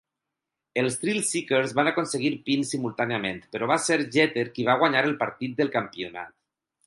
Els Thrillseekers van aconseguir "pins" simultàniament, però va ser Jeter qui va guanyar el partit del campionat.